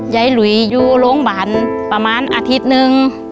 หลุยอยู่โรงพยาบาลประมาณอาทิตย์นึง